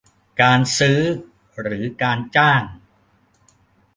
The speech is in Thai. การซื้อหรือการจ้าง